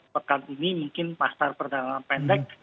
pekan ini mungkin pasar perdagangan pendek